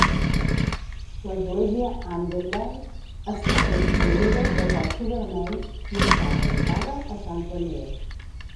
L'església Anderby està construïda de totxo vermell, i està dedicada a Sant Andreu.